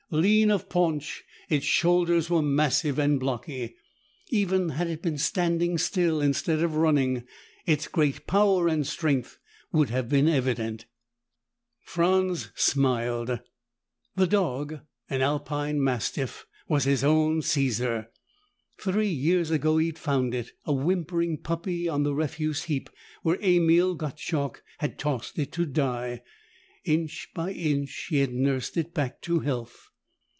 Lean of paunch, its shoulders were massive and blocky. Even had it been standing still, instead of running, its great power and strength would have been evident. [Illustration: Then a dog appeared, a half dozen bounds behind the madly racing fox] Franz smiled. The dog, an Alpine Mastiff, was his own Caesar. Three years ago he'd found it, a whimpering puppy, on the refuse heap where Emil Gottschalk had tossed it to die. Inch by inch, he had nursed it back to health.